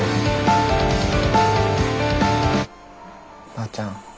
ばあちゃん